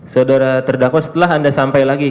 saudara terdakwa setelah anda sampai lagi